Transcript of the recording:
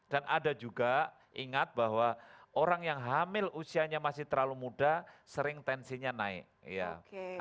dan ada juga ingat bahwa orang yang hamil usianya masih terlalu muda sering tensinya naik